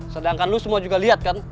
sedangkan lu semua juga lihat kan